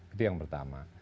itu yang pertama